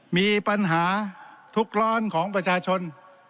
มีปัญหาทุกร้อนของประชาชน